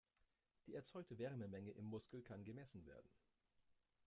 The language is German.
Die erzeugte Wärmemenge im Muskel kann gemessen werden.